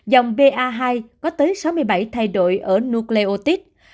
dòng ba hai có tới sáu mươi bảy thay đổi ở nucleotide